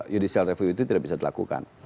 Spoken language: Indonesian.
judicial review itu tidak bisa dilakukan